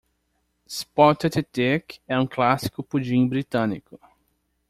Spotted dick é um clássico pudim britânico.